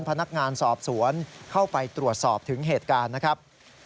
พนักงานสอบสวนเข้าไปตรวจสอบถึงเหตุการณ์นะครับ